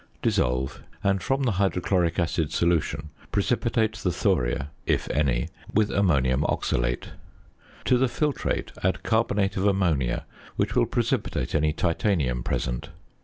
Dissolve; and from the hydrochloric acid solution precipitate the thoria (if any) with ammonium oxalate. To the filtrate add carbonate of ammonia, which will precipitate any titanium present.